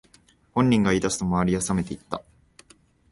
本人が言い出すと周りはさめていった